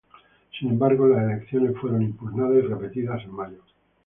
Sin embargo, las elecciones fueron impugnadas y repetidas en mayo.